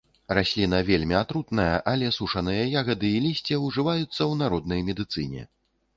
Расліна вельмі атрутная, але сушаныя ягады і лісце ўжываюцца ў народнай медыцыне.